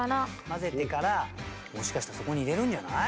混ぜてからもしかしたらそこに入れるんじゃない？